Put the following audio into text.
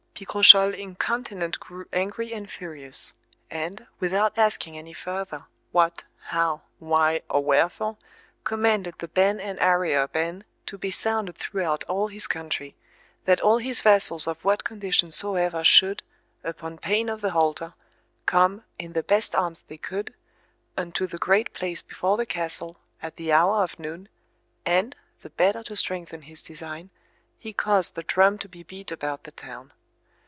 Picrochole incontinent grew angry and furious; and, without asking any further what, how, why, or wherefore, commanded the ban and arriere ban to be sounded throughout all his country, that all his vassals of what condition soever should, upon pain of the halter, come, in the best arms they could, unto the great place before the castle, at the hour of noon, and, the better to strengthen his design, he caused the drum to be beat about the town.